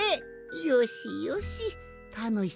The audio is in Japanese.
よしよしたのし